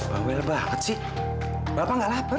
bawel banget sih bapak nggak lapar